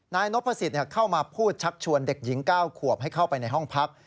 นายนพสิทธิ์เข้ามาพูดชักชวนเด็กหญิง๙ขวบให้เข้าไปในห้องพัก